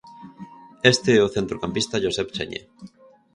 Este é o centrocampista Josep Señé.